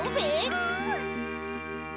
うん！